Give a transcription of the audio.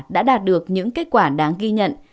đã đạt được những kết quả đáng ghi nhận